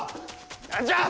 何じゃ！